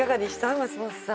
松本さん